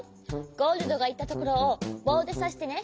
ゴールドがいったところをぼうでさしてね。